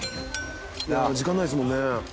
時間ないですもんね。